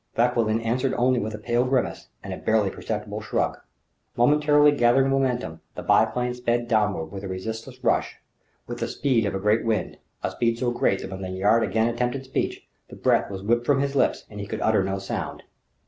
Vauquelin answered only with a pale grimace and a barely perceptible shrug. Momentarily gathering momentum, the biplane sped downward with a resistless rush, with the speed of a great wind a speed so great that when Lanyard again attempted speech, the breath was whipped from his lips and he could utter no sound.